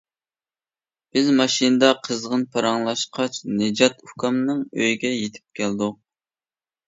بىز ماشىنىدا قىزغىن پاراڭلاشقاچ نىجات ئۇكامنىڭ ئۆيىگە يېتىپ كەلدۇق.